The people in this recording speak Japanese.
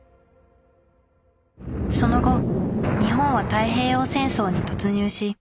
その後日本は太平洋戦争に突入し敗戦。